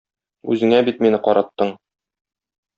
Үзеңә бит мине караттың.